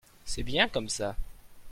c'est bien comme ça.